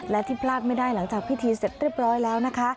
และที่พลาดไม่ได้หลังจากพิธีเสร็จเรียบร้อยแล้วนะคะ